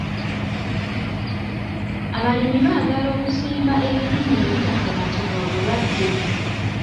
Abalimi baagala okusimba ebirime ebitakwatibwa bulwadde.